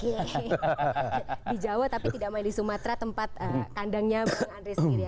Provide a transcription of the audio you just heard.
di jawa tapi tidak main di sumatera tempat kandangnya bang andre sendiri ya